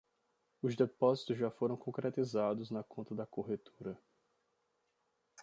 Os depósitos já foram concretizados na conta da corretora